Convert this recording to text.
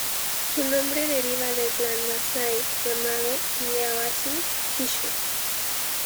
Su nombre deriva del clan masái llamado Illwuasin-kishu.